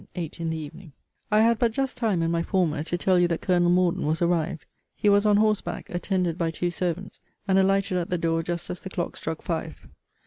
] EIGHT IN THE EVENING. I had but just time, in my former, to tell you that Col. Morden was arrived. He was on horseback, attended by two servants, and alighted at the door just as the clock struck five.